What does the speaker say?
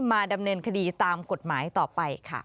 มาดำเนินคดีตามกฎหมายต่อไปค่ะ